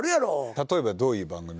例えばどういう番組っすか？